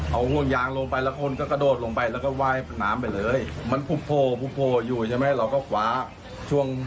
เอาอีกคนนึง